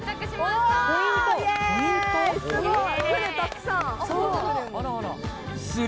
すごい！